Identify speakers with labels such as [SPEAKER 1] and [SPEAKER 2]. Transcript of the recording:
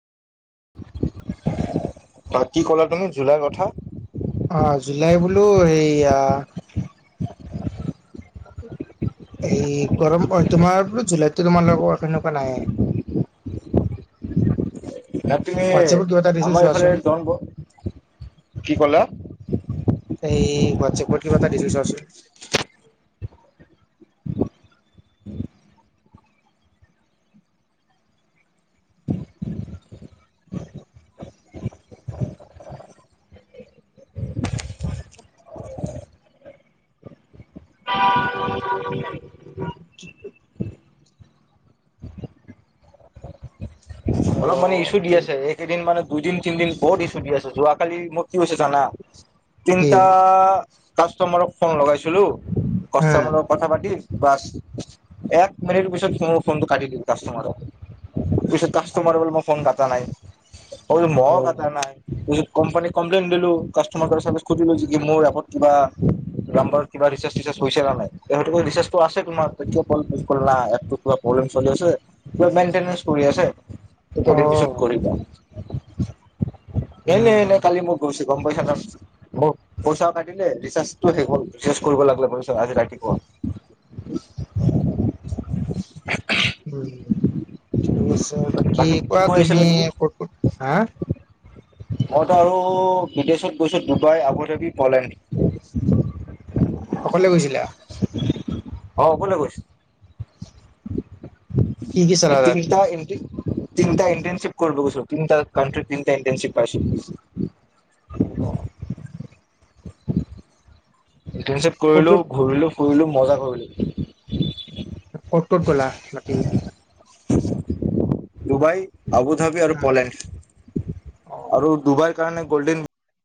[SPEAKER 1] তাক কি কলা তুমি জুলাই কথা?
[SPEAKER 2] অ জুলাই বোলো সেইয়া এই গৰম পৰে তোমাৰ বোলো জুলাইত তোমাৰ [unintelligible] সেনেকুৱা নাইয়েই।
[SPEAKER 1] [inaudible] না তুমি
[SPEAKER 2] হোৱাটছএপত কিবা এটা দিছো
[SPEAKER 1] আমাৰ এইফালে
[SPEAKER 2] চোৱাচোন
[SPEAKER 1] জন ব [unintelligible] কি কলা?
[SPEAKER 2] এই হোৱাটছএপত কিবা এটা দিছো চোৱা চোন। [unintelligible] উ [unintelligible] অ
[SPEAKER 1] অলপ মানে ইছ্যু দি
[SPEAKER 2] কি
[SPEAKER 1] আছে এই কেইদিন মানে [unintelligible] দুইদিন-তিনিদিন বহুত ইছ্যু দি আছে, যোৱাকালি মোক কি হৈছে জানা
[SPEAKER 2] কি
[SPEAKER 1] তিনিটা [unintelligible] কাষ্টমাৰক ফোন লগাইছিলো,
[SPEAKER 2] হা
[SPEAKER 1] কাষ্টমাৰৰ লগত কথা পাতি বাছ এক মিনিট পিছত মোৰ ফোনটো কাটি দি [unintelligible] কাষ্টমাৰ পিছত তোমাৰ বোলো মই ফোন কটা নাই। অ বোলো ম‌ই কটা নাই [unintelligible] কোম্পানী কমপ্লেইন দিলো, কাষ্টমাৰ কে চাৰ্ভিছ সুধিলো মোৰ এপত কিবা নাম্বাৰ কিবা ৰিচাৰ্জ-টিচাৰ্জ [unintelligible] হৈছে নে নাই, সিহঁতে ক'লে ৰিচাৰ্জটো আছে তোমাৰ [unintelligible] এপটোত কিবা প্ৰব্লেম চলি আছে মেইনটেনেঞ্চ কৰি আছে [unintelligible]
[SPEAKER 2] অ
[SPEAKER 1] দিন পিছত কৰিবা
[SPEAKER 2] হম
[SPEAKER 1] এনে-এনে
[SPEAKER 2] হম
[SPEAKER 1] কালি মই গৈছিল [unintelligible] গম পাইছা [unintelligible] পইচাও কাটিলে, ৰিচাৰ্জটো শেষ হ'ল, ৰিচাৰ্জটো কৰিব লাগিলে পইচা আজি ৰাতিপুৱা [unintelligible] [inaudible]
[SPEAKER 2] উম ঠিক আছে বাকী
[SPEAKER 1] কি
[SPEAKER 2] কোৱা
[SPEAKER 1] কৈ আছিলা
[SPEAKER 2] তুমি কত? হা! [unintelligible]
[SPEAKER 1] মইতো আৰু বিদেশত গৈছোঁ ডুবাই, আবুধাবি পলেণ্ড। [unintelligible] [unintelligible]
[SPEAKER 2] অকলে গৈছিলা?
[SPEAKER 1] অ কোনে কৈছে?
[SPEAKER 2] কি কি চালা
[SPEAKER 1] এই
[SPEAKER 2] তাত
[SPEAKER 1] তিনিটা এমতি তিনিটা ইণ্টাৰ্ণশ্বিপ কৰিব গৈছো, তিনিটা কাউন্ট্ৰীত তিনিটা ইণ্টাৰ্ণশ্বিপ পাইছোঁ।
[SPEAKER 2] অঁ!
[SPEAKER 1] ইণ্টাৰ্ণশ্বিপ
[SPEAKER 2] ক'ত
[SPEAKER 1] কৰিলো,
[SPEAKER 2] ক'ত
[SPEAKER 1] ঘূৰিলো ফুৰিলো মজা কৰিলো।
[SPEAKER 2] ক'ত ক'ত গ'লা বাকী?
[SPEAKER 1] ডুবাই আবুধাবি আৰু পলেণ্ড
[SPEAKER 2] অ
[SPEAKER 1] আৰু ডুবাইৰ কাৰণে গল্ডেন